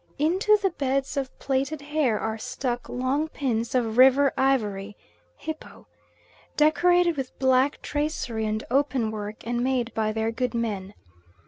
Into the beds of plaited hair are stuck long pins of river ivory (hippo), decorated with black tracery and openwork, and made by their good men.